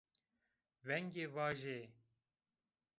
Vengê, vajê?